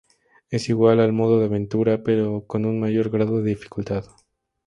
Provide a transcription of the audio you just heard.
Es igual al modo de aventura, pero con un mayor grado de dificultad.